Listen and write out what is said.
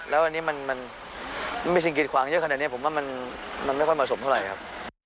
แล้วอันนี้มันมีสิ่งกิดขวางเยอะขนาดนี้ผมว่ามันไม่ค่อยเหมาะสมเท่าไหร่ครับ